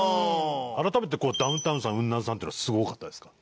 改めてこうダウンタウンさんウンナンさんっていうのはすごかったですか？